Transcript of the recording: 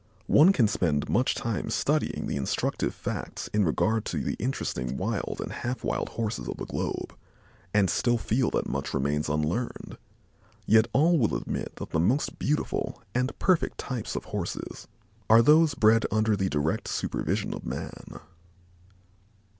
One can spend much time studying the instructive facts in regard to the interesting wild and half wild Horses of the globe, and still feel that much remains unlearned. Yet all will admit that the most beautiful and perfect types of Horses are those bred under the direct supervision of man.